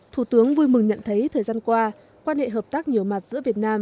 thủ tướng vui mừng nhận thấy thời gian qua quan hệ hợp tác nhiều mặt giữa việt nam